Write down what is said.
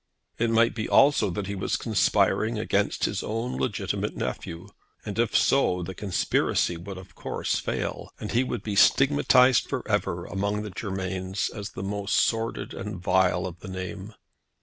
It might be also that he was conspiring against his own legitimate nephew; and if so, the conspiracy would of course fail, and he would be stigmatised for ever among the Germains as the most sordid and vile of the name.